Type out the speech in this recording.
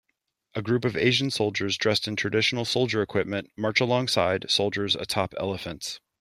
A group of Asian soldiers dressed in traditional soldier equipment march along side soldiers atop elephants.